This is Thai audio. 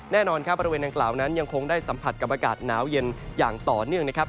แน่นอนครับบริเวณดังกล่าวนั้นยังคงได้สัมผัสกับอากาศหนาวเย็นอย่างต่อเนื่องนะครับ